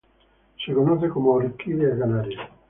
Se conoce como "orquídea canaria".